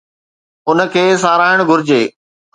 ان کي ساراهڻ گهرجي.